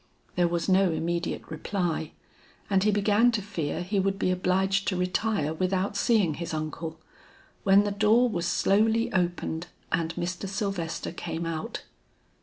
There was no immediate reply and he began to fear he would be obliged to retire without seeing his uncle, when the door was slowly opened and Mr. Sylvester came out.